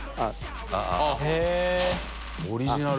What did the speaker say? △オリジナル。